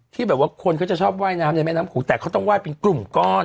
ที่แบบว่าคนเขาจะชอบว่ายน้ำในแม่น้ำโขงแต่เขาต้องไห้เป็นกลุ่มก้อน